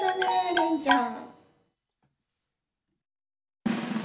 れんちゃん。